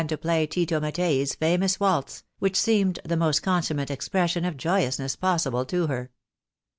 73 to play Tito Mattei's famous waltz, which seemed the most consummate expression of joyousness possible to her.